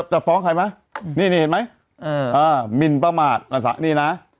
จะฟ้องใครมั้ยนี่เห็นมั้ยเอ่อมินป้าหมาดอันสรรค์นี้น่ะ